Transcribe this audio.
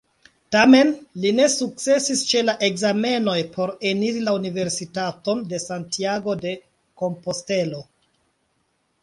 Tamen, li ne sukcesis ĉe la ekzamenoj por eniri la Universitaton de Santiago-de-Kompostelo.